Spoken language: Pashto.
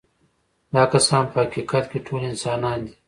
دا کسان په حقیقت کې ټول انسانان دي.